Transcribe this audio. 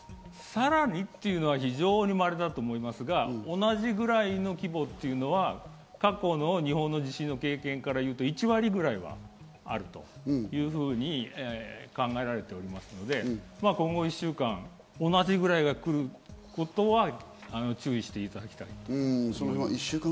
さらにというのは非常に稀だと思いますが、同じくらいの規模というのは過去の日本の地震の経験からいうと１割ぐらいはあるというふうに考えられておりますので今後１週間、同じくらいの地震が来ることは注意していただきたいと思います。